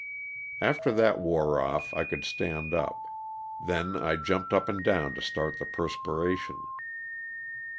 After that wore off I could stand up; then I jumped up and down to start the perspiration.